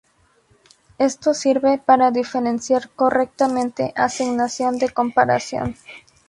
Esto sirve para diferenciar correctamente asignación de comparación.